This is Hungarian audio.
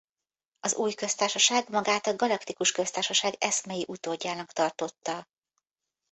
Az Új Köztársaság magát a Galaktikus Köztársaság eszmei utódjának tartotta.